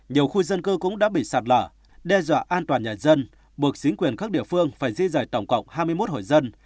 nhiều khu dân cư cũng đã bị sạt lở đe dọa an toàn nhà dân buộc chính quyền các địa phương phải di rời tổng cộng hai mươi một hội dân